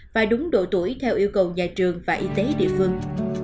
và đúng độ tuổi theo yêu cầu nhà trường và y tế địa phương